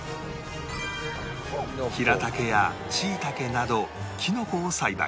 ヒラタケやシイタケなどきのこを栽培